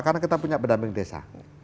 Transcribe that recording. karena kita punya pendamping desa